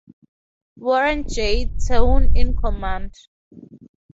Warren J. Terhune in command.